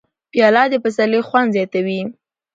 پیاله د پسرلي خوند زیاتوي.